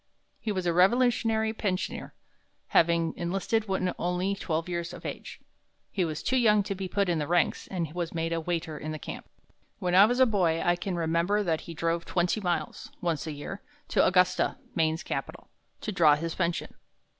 He was a Revolutionary pensioner, having enlisted when only twelve years of age. He was too young to be put in the ranks, and was made a waiter in camp. When I was a boy, I can remember that he drove twenty miles, once a year, to Augusta, Maine's capital, to draw his pension.